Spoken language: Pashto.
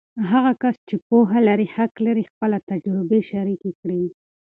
هغه کس چې پوهه لري، حق لري چې خپله تجربې شریکې کړي.